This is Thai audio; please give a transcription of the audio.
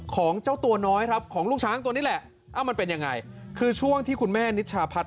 ของเจ้าตัวน้อยครับของลูกช้างตัวนี้แหละเอ้ามันเป็นยังไงคือช่วงที่คุณแม่นิชชาพัฒ